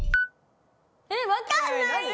えっ分かんないよ！